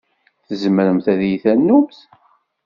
Tzemremt ad iyi-ternumt?